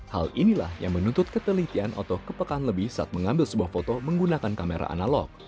hal inilah yang menuntut ketelitian atau kepekaan lebih saat mengambil sebuah foto menggunakan kamera analog